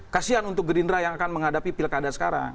kasian untuk gerindra yang akan menghadapi pilkada sekarang